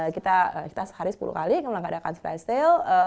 kita sehari sepuluh kali melakukan flash sale